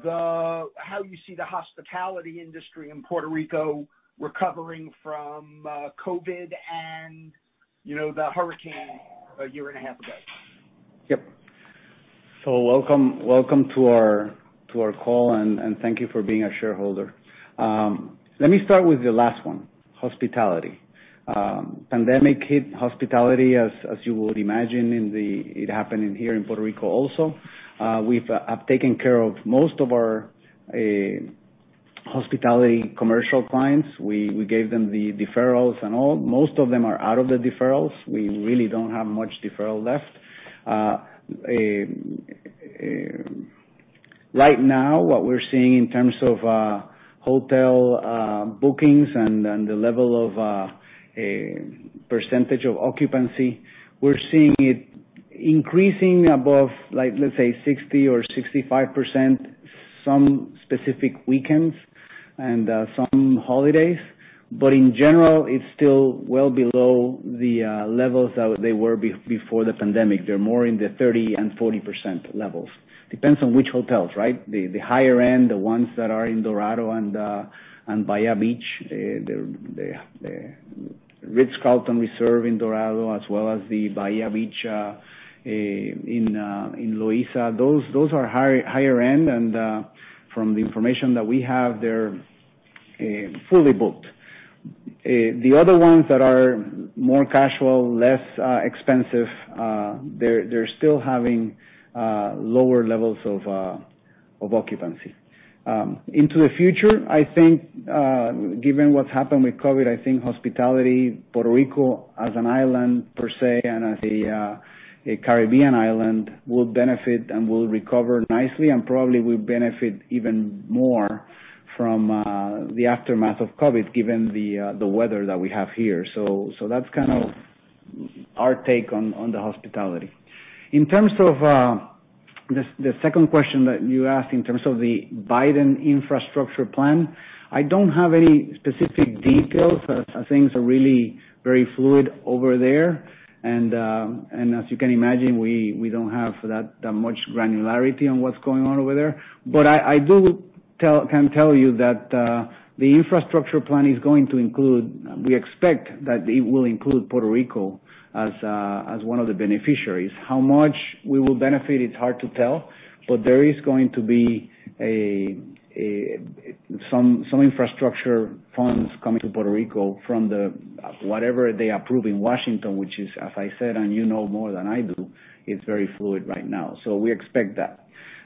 how you see the hospitality industry in Puerto Rico recovering from COVID and the hurricane a year and a half ago? Welcome to our call. Thank you for being a shareholder. Let me start with the last one, hospitality. Pandemic hit hospitality, as you would imagine, it happened here in Puerto Rico also. We have taken care of most of our hospitality commercial clients. We gave them the deferrals and all. Most of them are out of the deferrals. We really don't have much deferral left. Right now, what we're seeing in terms of hotel bookings and the level of percentage of occupancy, we're seeing it increasing above, let's say, 60% or 65% some specific weekends and some holidays. In general, it's still well below the levels that they were before the pandemic. They're more in the 30% and 40% levels. Depends on which hotels, right? The higher end, the ones that are in Dorado and Bahia Beach, the Ritz-Carlton Reserve in Dorado, as well as the Bahia Beach in Loíza. Those are higher end, and from the information that we have, they're fully booked. The other ones that are more casual, less expensive, they're still having lower levels of occupancy. Into the future, I think given what's happened with COVID, I think hospitality, Puerto Rico as an island, per se, and as a Caribbean island, will benefit and will recover nicely and probably will benefit even more from the aftermath of COVID, given the weather that we have here. That's kind of our take on the hospitality. In terms of the second question that you asked, in terms of the Biden infrastructure plan, I don't have any specific details as things are really very fluid over there. As you can imagine, we don't have that much granularity on what's going on over there. I can tell you that the infrastructure plan is going to include, we expect that it will include Puerto Rico as one of the beneficiaries. How much we will benefit, it's hard to tell, but there is going to be some infrastructure funds coming to Puerto Rico from whatever they approve in Washington, which is, as I said, and you know more than I do, it's very fluid right now. We expect that.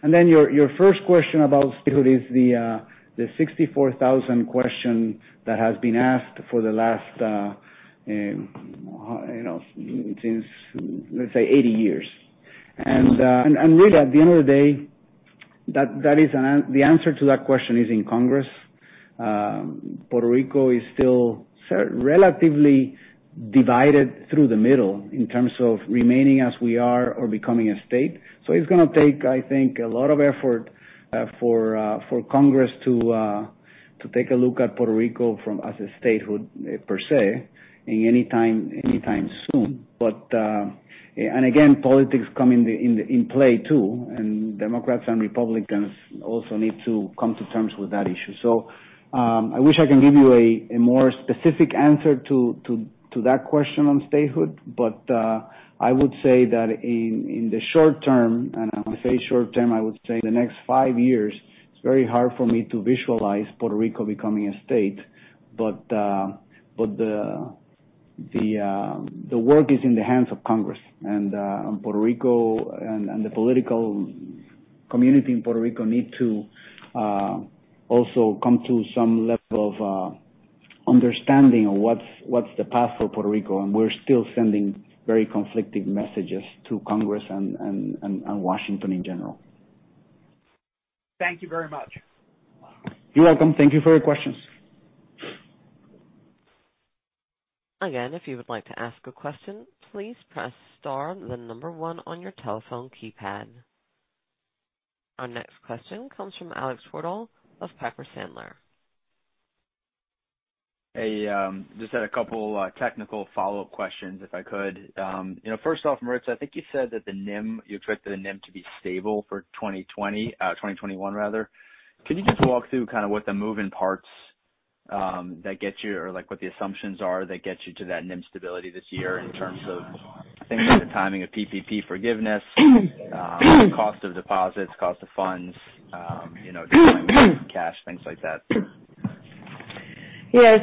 Your first question about statehood is the 64,000 question that has been asked for the last, let's say, 80 years. Really, at the end of the day, the answer to that question is in Congress. Puerto Rico is still relatively divided through the middle in terms of remaining as we are or becoming a state. It's going to take, I think, a lot of effort for Congress to take a look at Puerto Rico as a statehood per se any time soon. Again, politics come in play too, and Democrats and Republicans also need to come to terms with that issue. I wish I can give you a more specific answer to that question on statehood. I would say that in the short term, and when I say short term, I would say the next five years, it's very hard for me to visualize Puerto Rico becoming a state. The work is in the hands of Congress, and Puerto Rico and the political community in Puerto Rico need to also come to some level of understanding of what's the path for Puerto Rico. We're still sending very conflicting messages to Congress and Washington in general. Thank you very much. You're welcome. Thank you for your questions. Again, if you would like to ask a question, please press star, then the number one on your telephone keypad. Our next question comes from Alex Twerdahl of Piper Sandler. Hey. Just had a couple technical follow-up questions, if I could. First off, Maritza, I think you said that you expect the NIM to be stable for 2021 rather. Can you just walk through kind of what the moving parts that get you or what the assumptions are that get you to that NIM stability this year in terms of, I think, the timing of PPP forgiveness, cost of deposits, cost of funds, deployment of cash, things like that? Yes.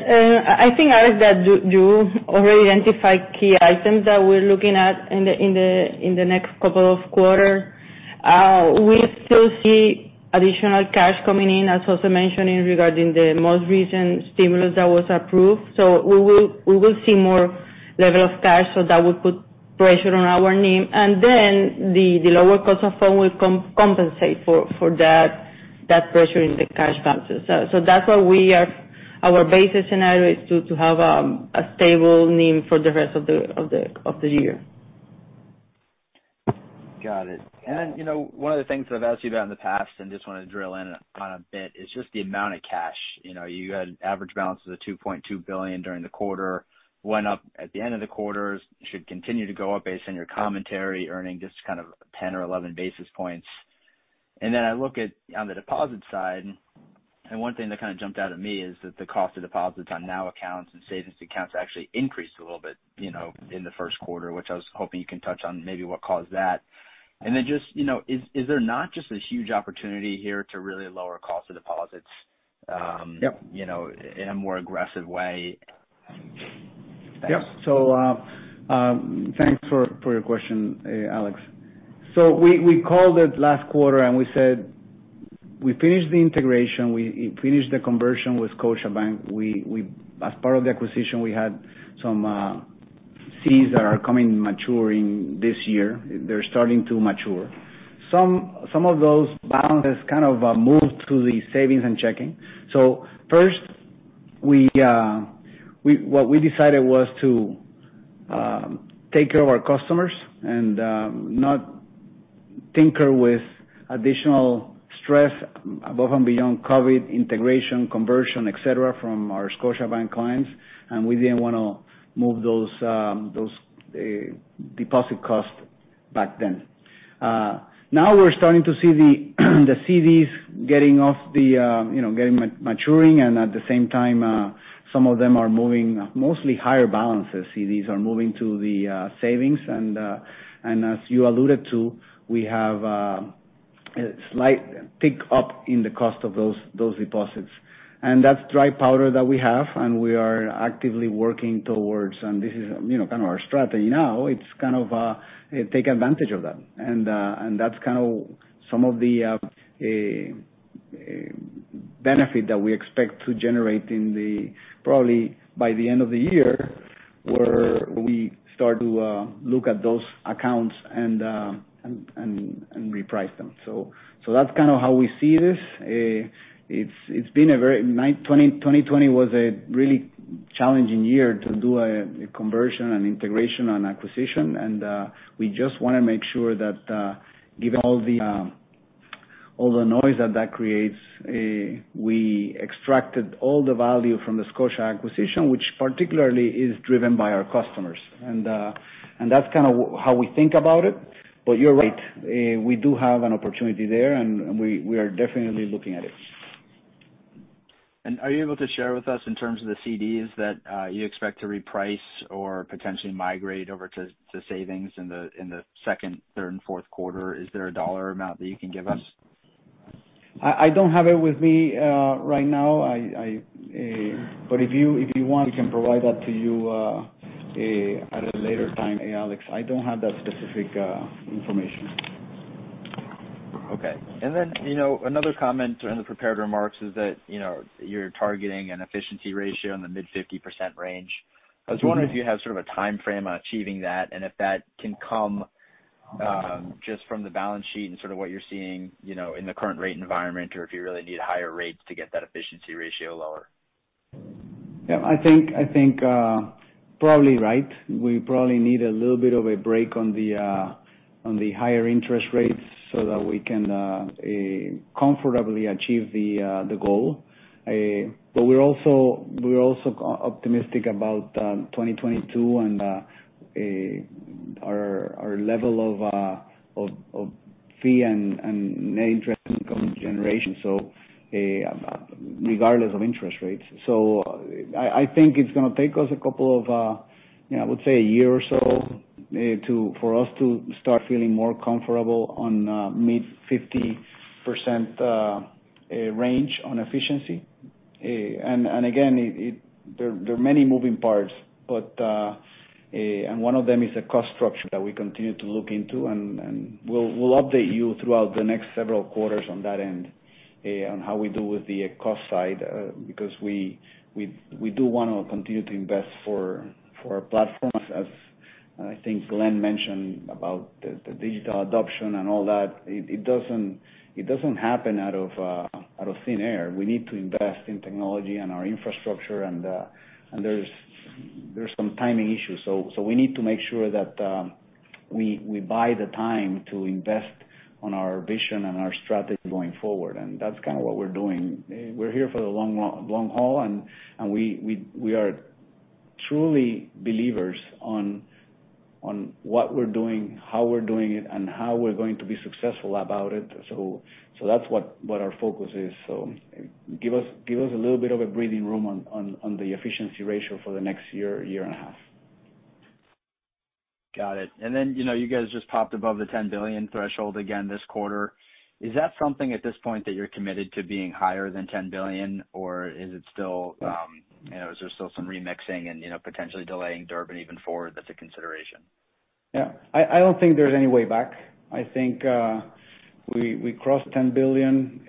I think, Alex, that you already identified key items that we're looking at in the next couple of quarters We still see additional cash coming in, as also mentioned regarding the most recent stimulus that was approved. We will see more level of cash, so that will put pressure on our NIM. The lower cost of fund will compensate for that pressure in the cash balances. That's why our basis scenario is to have a stable NIM for the rest of the year. Got it. One of the things that I've asked you about in the past, and just want to drill in on a bit, is just the amount of cash. You had average balances of $2.2 billion during the quarter, went up at the end of the quarter, should continue to go up based on your commentary, earning just kind of 10 or 11 basis points. I look on the deposit side, and one thing that kind of jumped out at me is that the cost of deposits on NOW accounts and savings accounts actually increased a little bit in the first quarter, which I was hoping you can touch on maybe what caused that. Is there not just a huge opportunity here to really lower cost of deposits? Yep. in a more aggressive way? Yep. Thanks for your question, Alex. We called it last quarter, and we said we finished the integration, we finished the conversion with Scotiabank. As part of the acquisition, we had some CDs that are coming maturing this year. They're starting to mature. Some of those balances kind of moved to the savings and checking. First, what we decided was to take care of our customers and not tinker with additional stress above and beyond COVID, integration, conversion, et cetera, from our Scotiabank clients. We didn't want to move those deposit costs back then. Now we're starting to see the CDs maturing, and at the same time some of them are moving, mostly higher balances CDs, are moving to the savings. As you alluded to, we have a slight tick up in the cost of those deposits. That's dry powder that we have, and we are actively working towards. This is kind of our strategy now. It's kind of take advantage of that. That's kind of some of the benefit that we expect to generate probably by the end of the year, where we start to look at those accounts and reprice them. That's kind of how we see this. 2020 was a really challenging year to do a conversion, an integration, an acquisition, and we just want to make sure that given all the noise that that creates, we extracted all the value from the Scotiabank acquisition, which particularly is driven by our customers. That's kind of how we think about it. You're right. We do have an opportunity there, and we are definitely looking at it. Are you able to share with us in terms of the CDs that you expect to reprice or potentially migrate over to savings in the second, third, and fourth quarter? Is there a dollar amount that you can give us? I don't have it with me right now. If you want, we can provide that to you at a later time, Alex. I don't have that specific information. Okay. Another comment in the prepared remarks is that you're targeting an efficiency ratio in the mid 50% range. I was wondering if you have sort of a timeframe on achieving that, and if that can come just from the balance sheet and sort of what you're seeing in the current rate environment, or if you really need higher rates to get that efficiency ratio lower. Yeah, I think probably right. We probably need a little bit of a break on the higher interest rates so that we can comfortably achieve the goal. We're also optimistic about 2022 and our level of fee and net interest income generation, so regardless of interest rates. I think it's going to take us a couple of, I would say a year or so, for us to start feeling more comfortable on mid-50% range on efficiency. Again, there are many moving parts. One of them is the cost structure that we continue to look into. We'll update you throughout the next several quarters on that end, on how we do with the cost side because we do want to continue to invest for our platforms. As I think Glen mentioned about the digital adoption and all that, it doesn't happen out of thin air. We need to invest in technology and our infrastructure. There's some timing issues. We need to make sure that we buy the time to invest on our vision and our strategy going forward. That's kind of what we're doing. We're here for the long haul. We are truly believers on what we're doing, how we're doing it, and how we're going to be successful about it. That's what our focus is. Give us a little bit of a breathing room on the efficiency ratio for the next year and a half. Got it. You guys just popped above the $10 billion threshold again this quarter. Is that something at this point that you're committed to being higher than $10 billion, or is there still some remixing and potentially delaying Durbin even forward that's a consideration? Yeah. I don't think there's any way back. I think we crossed $10 billion.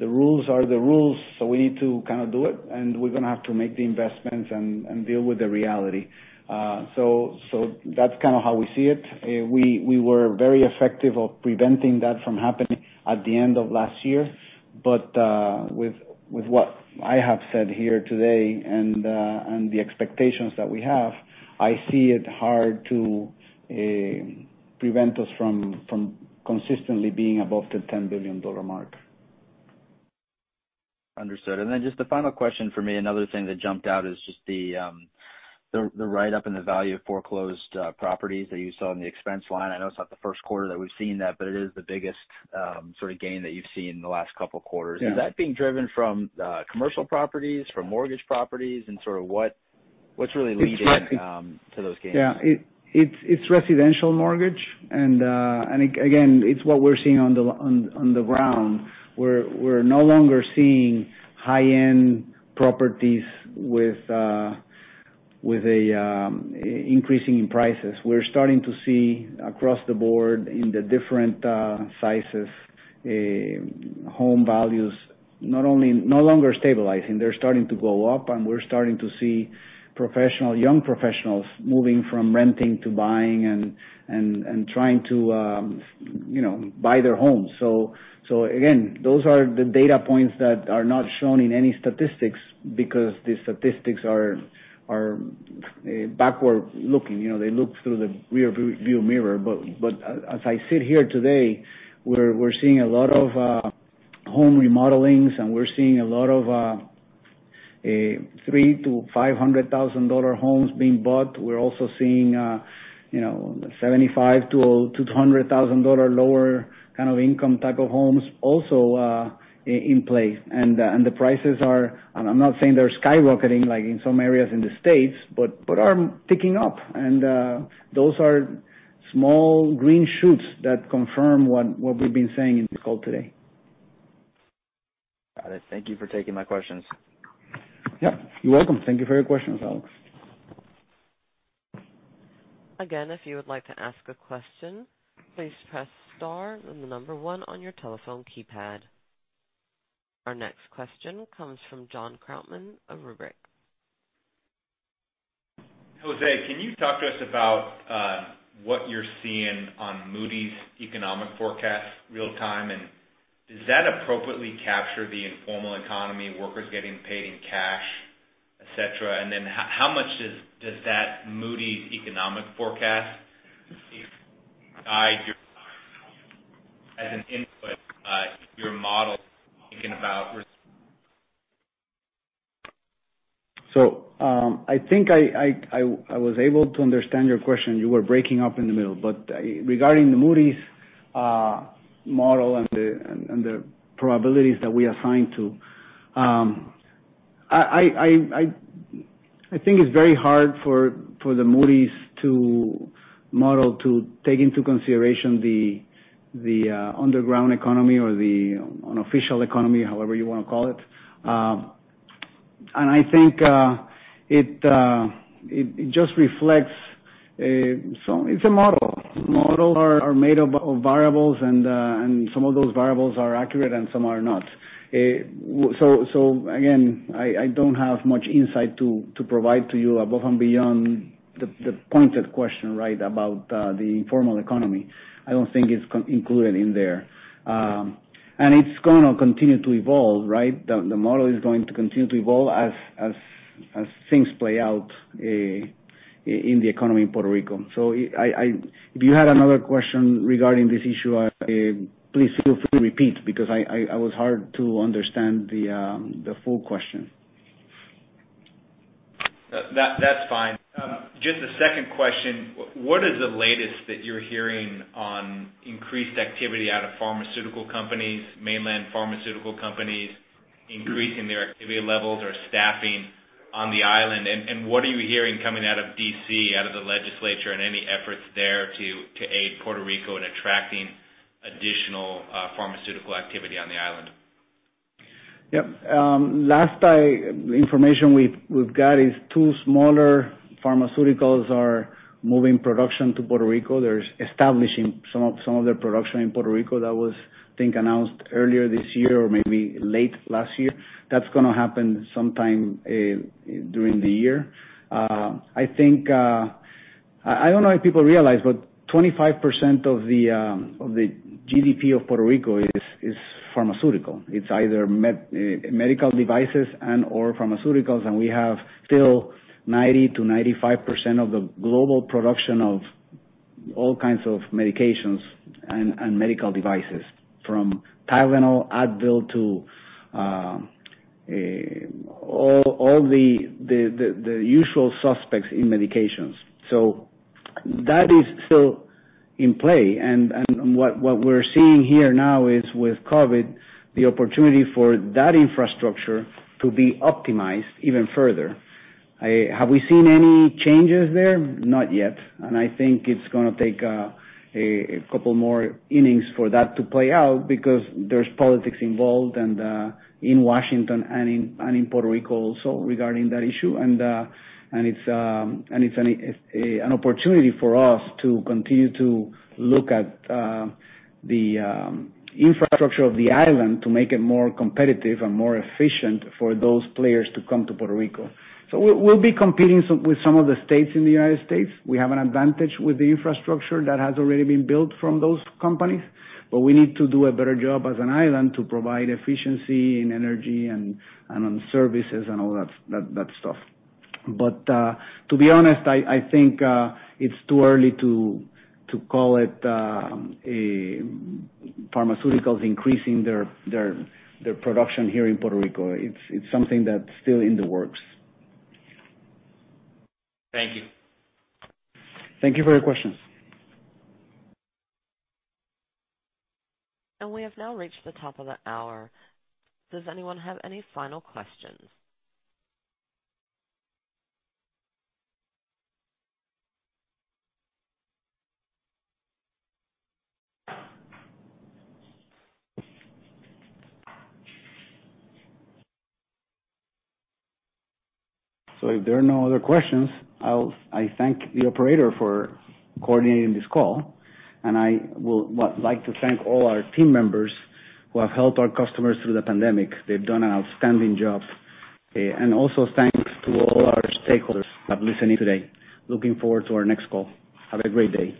The rules are the rules, so we need to kind of do it, and we're going to have to make the investments and deal with the reality. That's kind of how we see it. We were very effective of preventing that from happening at the end of last year. With what I have said here today, and the expectations that we have, I see it hard to prevent us from consistently being above the $10 billion mark. Understood. Just the final question from me, another thing that jumped out is just the write-up and the value of foreclosed properties that you saw in the expense line. I know it's not the first quarter that we've seen that, but it is the biggest sort of gain that you've seen in the last couple of quarters. Yeah. Is that being driven from commercial properties, from mortgage properties, and sort of what's really leading? It's res— To those gains? Yeah. It's residential mortgage. Again, it's what we're seeing on the ground. We're no longer seeing high-end properties with increasing in prices. We're starting to see across the board, in the different sizes, home values no longer stabilizing. They're starting to go up, and we're starting to see young professionals moving from renting to buying, and trying to buy their homes. Again, those are the data points that are not shown in any statistics because the statistics are backward-looking. They look through the rear-view mirror. As I sit here today, we're seeing a lot of home remodeling, and we're seeing a lot of $300,000-$500,000 homes being bought. We're also seeing $75,000-$200,000 lower kind of income type of homes also in play. The prices are, I'm not saying they're skyrocketing like in some areas in the U.S., but are picking up. Those are small green shoots that confirm what we've been saying in this call today. Got it. Thank you for taking my questions. Yeah. You're welcome. Thank you for your questions, Alex. Again if you wish to ask a question, please press star one on your telephone keypad. Our next question comes from Jon Krautmann of Rubric. José, can you talk to us about what you're seeing on Moody's economic forecast real-time, and does that appropriately capture the informal economy, workers getting paid in cash, et cetera? How much does that Moody's economic forecast guide your as an input your model thinking about re— I think I was able to understand your question. You were breaking up in the middle. Regarding the Moody's model and the probabilities that we assign to, I think it's very hard for the Moody's to model to take into consideration the underground economy or the unofficial economy, however you want to call it. I think it just reflects it's a model. Models are made of variables, and some of those variables are accurate and some are not. Again, I don't have much insight to provide to you above and beyond the pointed question, right, about the informal economy. I don't think it's included in there. It's going to continue to evolve, right? The model is going to continue to evolve as things play out in the economy in Puerto Rico. If you had another question regarding this issue, please feel free to repeat, because I was hard to understand the full question. That's fine. Just a second question. What is the latest that you're hearing on increased activity out of pharmaceutical companies, mainland pharmaceutical companies increasing their activity levels or staffing on the island? What are you hearing coming out of D.C., out of the legislature, and any efforts there to aid Puerto Rico in attracting additional pharmaceutical activity on the island? Yep. Last information we've got is two smaller pharmaceuticals are moving production to Puerto Rico. They're establishing some of their production in Puerto Rico. That was, I think, announced earlier this year or maybe late last year. That's going to happen sometime during the year. I don't know if people realize, but 25% of the GDP of Puerto Rico is pharmaceutical. It's either medical devices and/or pharmaceuticals, and we have still 90%-95% of the global production of all kinds of medications and medical devices, from TYLENOL, Advil, to all the usual suspects in medications. That is still in play. What we're seeing here now is with COVID, the opportunity for that infrastructure to be optimized even further. Have we seen any changes there? Not yet. I think it's going to take a couple more innings for that to play out because there's politics involved, and in Washington and in Puerto Rico also regarding that issue. It's an opportunity for us to continue to look at the infrastructure of the island to make it more competitive and more efficient for those players to come to Puerto Rico. We'll be competing with some of the states in the United States. We have an advantage with the infrastructure that has already been built from those companies. We need to do a better job as an island to provide efficiency in energy and on services and all that stuff. To be honest, I think it's too early to call it pharmaceuticals increasing their production here in Puerto Rico. It's something that's still in the works. Thank you. Thank you for your questions. We have now reached the top of the hour. Does anyone have any final questions? If there are no other questions, I thank the operator for coordinating this call, and I would like to thank all our team members who have helped our customers through the pandemic. They've done an outstanding job. Also, thanks to all our stakeholders who have listened in today. Looking forward to our next call. Have a great day.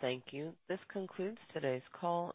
Thank you. This concludes today's call.